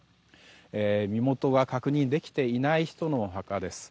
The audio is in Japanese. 身元が確認できていない人のお墓です。